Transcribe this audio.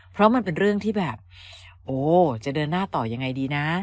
เพราะมันเป็นเรื่องที่แบบโอ้จะเดินหน้าต่อยังไงดีนะ